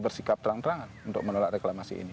bersikap terang terangan untuk menolak reklamasi ini